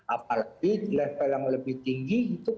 apalagi level yang lebih tinggi itu